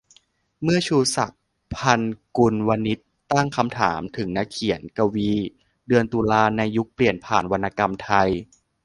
เมื่อ "ชูศักดิ์ ภัทรกุลวณิชย์" ตั้งคำถามถึงนักเขียน-กวี "เดือนตุลา" ใน "ยุคเปลี่ยนผ่านวรรณกรรมไทย"